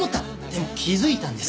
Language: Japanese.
でも気づいたんです。